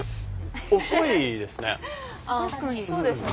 遅いですね。